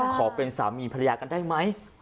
ขอเป็นสามีภรรยากันได้ไหม